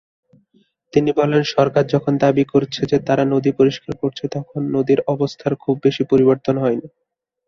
তিনি বলেন সরকার যখন দাবি করছে যে তারা নদী পরিষ্কার করছে, তখন নদীর অবস্থার খুব বেশি পরিবর্তন হয়নি।